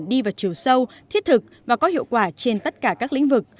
đi vào chiều sâu thiết thực và có hiệu quả trên tất cả các lĩnh vực